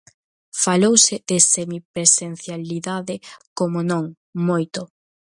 Falouse de semipresencialidade, ¡como non!, moito.